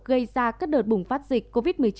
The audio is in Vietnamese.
gây ra các đợt bùng phát dịch covid một mươi chín